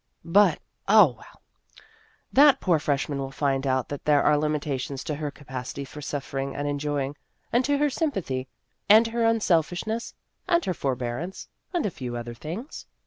But oh, well, that poor freshman will find out that there are limitations to her capacity for suffering and enjoying, and to her sympathy, and her unselfishness, and her forbearance, and a few other things.